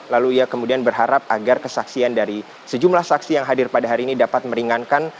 lalu ia kemudian berharap agar kesaksian dari sejumlah saksi yang hadir pada hari ini dapat meringankan